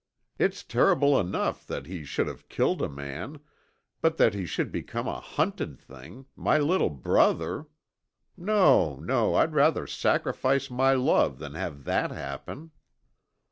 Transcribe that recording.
It's terrible enough that he should have killed a man, but that he should become a hunted thing, my little brother ! No, no! I'd rather sacrifice my love than have that happen!"